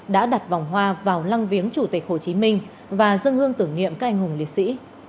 đã đặt vòng hoa vào lăng viếng chủ tịch hồ chí minh và dân hương tưởng niệm các anh hùng liệt sĩ